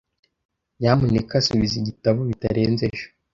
Nyamuneka subiza igitabo bitarenze ejo.